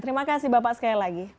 terima kasih bapak sekali lagi